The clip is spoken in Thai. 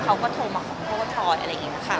เขาก็โทรมาขอโทษอะไรอย่างเงี้ยค่ะ